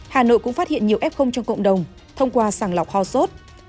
hà nội cũng phát hiện nhiều f trong cộng đồng thông qua sàng lọc ho sốt